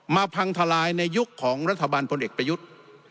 พังทลายในยุคของรัฐบาลพลเอกประยุทธ์